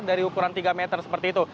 dari ukuran tiga meter seperti itu